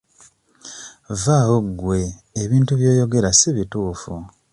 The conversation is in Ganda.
Vvaawo gwe ebintu by'oyogera si bituufu.